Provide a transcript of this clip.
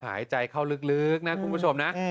หายใจเข้าลึกนะคุณผู้ชมนะ